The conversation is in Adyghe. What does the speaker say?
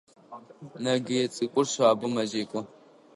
Нэгые цӏыкӏур шъабэу мэзекӏо.